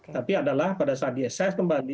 tapi adalah pada saat di asses kembali